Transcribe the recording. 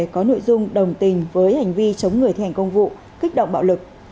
có nội dung đồng tình với hành vi chống người thi hành công vụ kích động bạo lực